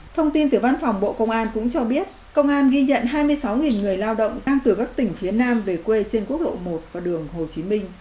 thông tin từ văn phòng bộ công an cũng cho biết công an ghi nhận hai mươi sáu người lao động đang từ các tỉnh phía nam về quê trên quốc lộ một và đường hồ chí minh